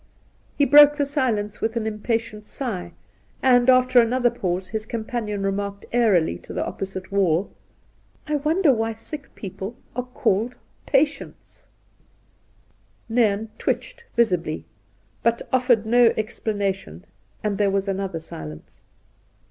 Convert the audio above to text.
He broke the silence with an impatient sigh and, after another pause, his companion remarked airily to the oppo site wall :' I wonder why sick people are called patients T Nairn twitched visibly, but offered no explana tion, and there was another silence.